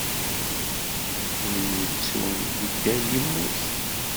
Win yettun, yedder yemmut.